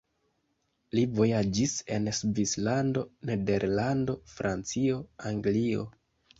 Li vojaĝis en Svislando, Nederlando, Francio, Anglio.